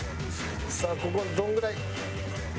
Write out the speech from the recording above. さあここどんぐらい。